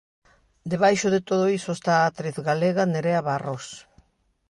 Debaixo de todo iso está a actriz galega Nerea Barros.